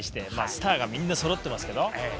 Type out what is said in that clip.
スターがみんなそろってますけど。